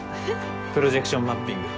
プロジェクションマッピング。